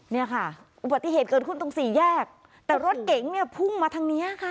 เนี่ยค่ะอุบัติเหตุเกิดขึ้นตรงสี่แยกแต่รถเก๋งเนี่ยพุ่งมาทางเนี้ยค่ะ